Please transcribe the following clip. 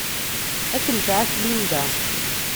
Ad kem-tɛass Linda.